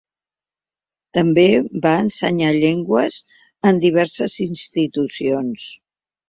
També va ensenyar llengües en diverses institucions.